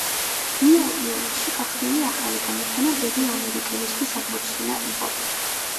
ნიუ-იორკში გახსნილი ახალი გამოფენა ბევრი ამერიკელისთვის აღმოჩენა იყო.